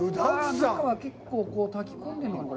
結構炊き込んでいるのかな？